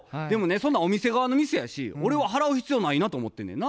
そんなんお店側のミスやし俺は払う必要ないなと思ってんねんな。